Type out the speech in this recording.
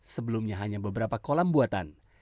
sebelumnya hanya beberapa kolam buatan